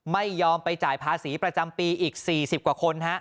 ไม่ยอมไปจ่ายภาษีประจำปีอีก๔๐กว่าคน